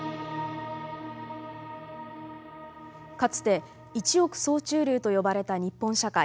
かつて一億総中流と呼ばれた日本社会。